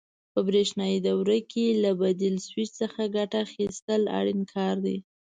په برېښنایي دوره کې له تبدیل سویچ څخه ګټه اخیستل اړین کار دی.